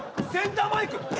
センターマイク